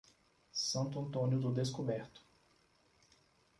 Santo Antônio do Descoberto